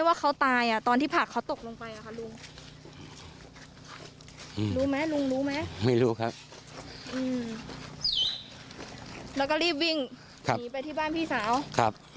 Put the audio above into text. แล้วก็รีบวิ่งหนีไปที่บ้านพี่สาวครับ